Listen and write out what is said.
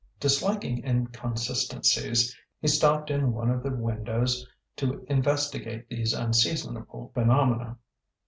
Disliking inconsistencies, he stopped in one of the windows to investigate these unseasonable phenomena.